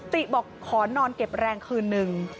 ติบอกขอนอนเก็บแรงคืนนึง